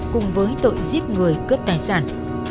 cùng với tội giết người cướp tài sản